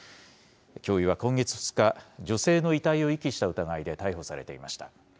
教諭は今月２日、女性の遺体を遺棄した疑いで逮捕されていました。